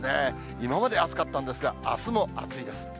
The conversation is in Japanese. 今まで暑かったんですが、あすも暑いです。